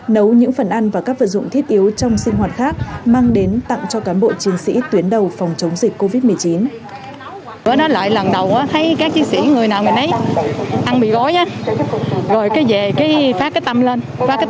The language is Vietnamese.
nấu những phần ăn và các vật dụng thiết yếu trong sinh hoạt khác